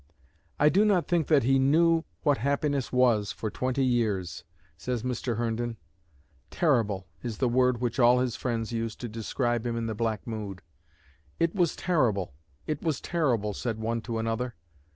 "I do not think that he knew what happiness was for twenty years," says Mr. Herndon. "'Terrible' is the word which all his friends used to describe him in the black mood. 'It was terrible! It was terrible!' said one to another."